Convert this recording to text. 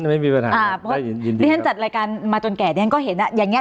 อ่าเพราะที่ท่านจัดรายการมาจนแก่ท่านก็เห็นอ่ะอย่างเงี้ย